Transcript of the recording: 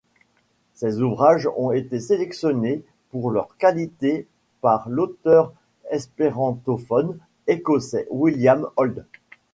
Ces ouvrages ont été sélectionnés pour leur qualité par l'auteur espérantophone écossais William Auld.